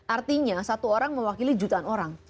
artinya satu orang mewakili jutaan orang